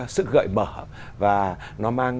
sự gợi mở và nó mang